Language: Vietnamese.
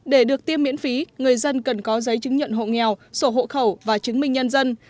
để được tiêm miễn phí người dân cần có giấy chứng nhận hộ nghèo sổ hộ khẩu và chứng minh nhân dân